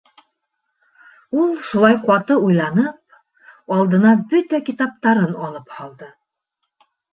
Ул, шулай ҡаты уйланып, алдына бөтә китаптарын алып һалды.